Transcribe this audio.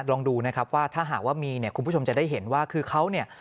ลองดูนะครับว่าถ้าหากว่ามีเนี่ยคุณผู้ชมจะได้เห็นว่าคือเขาเนี่ย